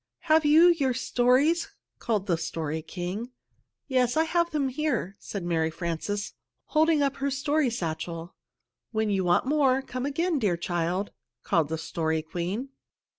"Have you your stories?" called the Story King. "Yes, I have them here!" said Mary Frances, holding up her story satchel. "When you want more, come again, dear child," called the Story Queen.